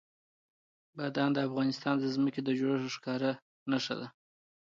بادام د افغانستان د ځمکې د جوړښت یوه ښکاره نښه ده.